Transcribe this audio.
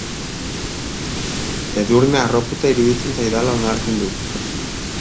Edurne harroputza iruditzen zaidala onartzen dut.